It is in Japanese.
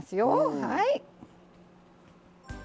はい。